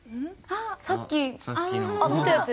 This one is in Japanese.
さっき見たやつ？